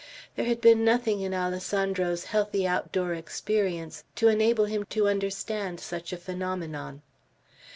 There had been nothing in Alessandro's healthy outdoor experience to enable him to understand such a phenomenon.